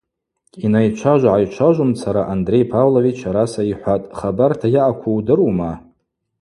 Йнайчважва-гӏайчважвумцара Андрей Павлович араса йхӏватӏ: –Хабарта йаъакву удырума?